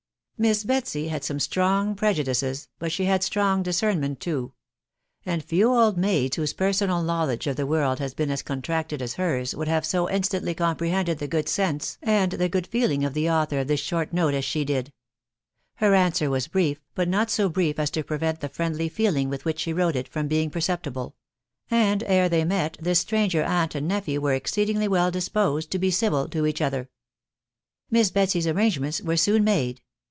1 Miss. Betsy, had some strong prejudices, \mt^&\« Y&&. itan&% SJMXtrtimeDt too ; andfew old inai]dBirlaoTO^«r»\^V\v^Vv^%^ 48 *HE WIDOW BABHABY. of the world had been as contracted as hers, would have so instantly comprehended the good sense and the good feeling of the author of this short note as she did. Her answer was brief, but not so brief as to prevent the friendly feeling with which she wrote it from being perceptible ; and, ere they met this stranger aunt and nephew were exceedingly well disposed to be civil to each other. Miss Betsy's arrangements were soon made.